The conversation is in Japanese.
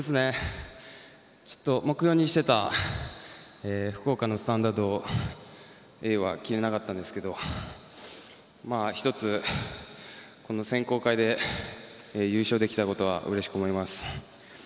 目標にしてた福岡のスタンダードは切れなかったんですけど一つ、選考会で優勝できたことはうれしくと思います。